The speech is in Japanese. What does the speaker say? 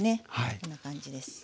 こんな感じです。